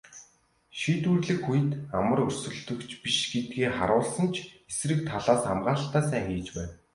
Шийдвэрлэх үед амар өрсөлдөгч биш гэдгээ харуулсан ч эсрэг талаас хамгаалалтаа сайн хийж байв.